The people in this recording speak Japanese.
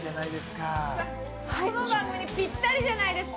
この番組にぴったりじゃないですか。